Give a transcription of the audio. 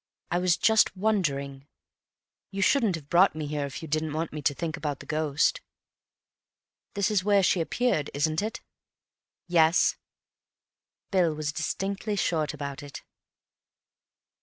I was just wondering. You shouldn't have brought me here if you hadn't wanted me to think about the ghost. This is where she appeared, isn't it?" "Yes." Bill was distinctly short about it.